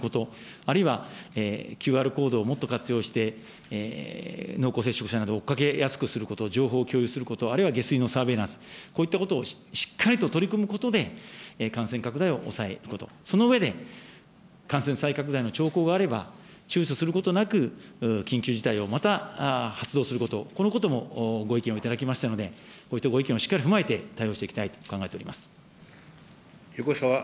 あるいはＱＲコードをもっと活用して、濃厚接触者を追いかけやすくすること、情報を共有すること、あるいは下水のサーベイランス、こういったことをしっかりと取り組むことで、感染拡大を抑えること、その上で感染再拡大の兆候があれば、ちゅうちょすることなく緊急事態をまた発動すること、このこともご意見を頂きましたので、こういったご意見をしっかり踏まえて、対応していきたいと考えております。